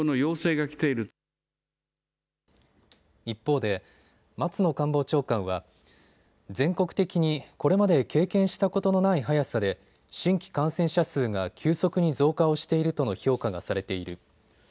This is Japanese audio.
一方で松野官房長官は全国的にこれまで経験したことのない速さで新規感染者数が急速に増加をしているとの評価がされている。